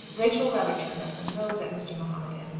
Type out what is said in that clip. Rachel rather turned up her nose at Mr. Mahomet M.